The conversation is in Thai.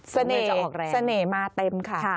เสน่ห์มาเต็มค่ะ